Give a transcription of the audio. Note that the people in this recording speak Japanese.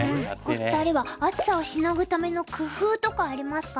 お二人は暑さをしのぐための工夫とかありますか？